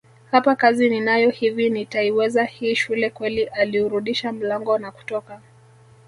Hapa kazi ninayo hivi nitaiweza hii shule kweli Aliurudisha mlango na kutoka